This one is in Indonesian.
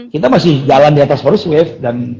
kita masih jalan di atas first wave dan